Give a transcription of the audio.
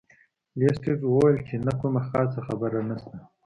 لیسټرډ وویل چې نه کومه خاصه خبره نشته.